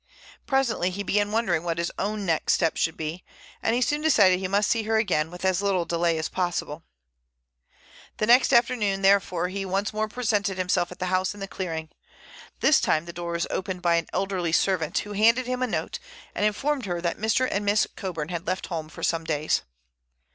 Presently he began wondering what his own next step should be, and he soon decided he must see her again, and with as little delay as possible. The next afternoon, therefore, he once more presented himself at the house in the clearing. This time the door was opened by an elderly servant, who handed him a note and informed him that Mr. and Miss Coburn had left home for some days.